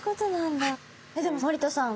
でも森田さん